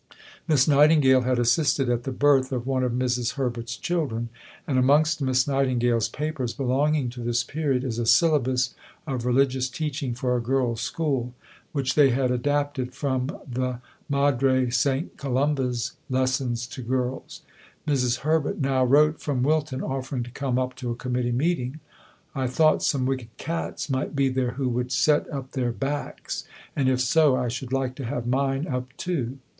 Miss Nightingale had assisted at the birth of one of Mrs. Herbert's children; and amongst Miss Nightingale's papers belonging to this period is a "Syllabus of Religious Teaching for a Girls' School," which they had adapted from the Madre S. Colomba's lessons to girls. Mrs. Herbert now wrote from Wilton, offering to come up to a committee meeting: "I thought some wicked cats might be there who would set up their backs; and if so, I should like to have mine up too."